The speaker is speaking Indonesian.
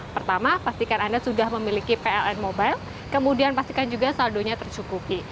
pertama pastikan anda sudah memiliki pln mobile kemudian pastikan juga saldonya tercukupi